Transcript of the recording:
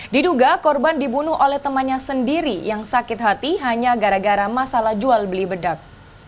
diduga korban dibunuh oleh temannya sendiri yang sakit hati hanya gara gara masalah jual beli bedak